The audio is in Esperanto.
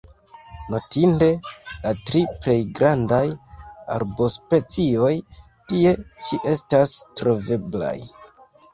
Notinde, la tri plej grandaj arbospecioj tie ĉi estas troveblaj.